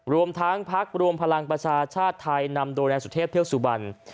รวมทั้งพักรวมพลังประชาชาติไทยนำโดยนายสุเทพเทือกสุบัน